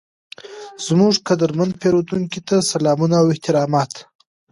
زموږ قدرمن پیرودونکي ته سلامونه او احترامات،